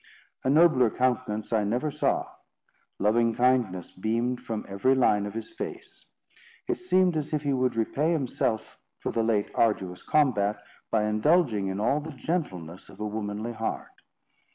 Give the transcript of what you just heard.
A nobler countenance I never saw. Loving kindness beamed from every line of his face. It seemed as if he would repay himself for the late arduous combat, by indulging in all the gentleness of a womanly heart.